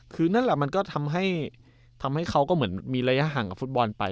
คือนั่นแหละมันก็ทำให้เขาก็เหมือนมีระยะห่างกับฟุตบอลไป